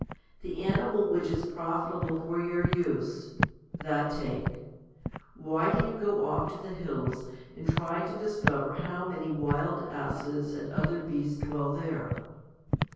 The animal which is profitable for your use, that take : why do you go off to the hills and try to discover how many wild asses and other beasts dwell there